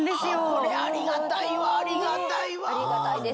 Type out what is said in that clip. これありがたいわありがたいわ。